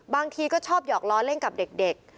บางทีก็ชอบหยอกล้อเล่นกับเด็ก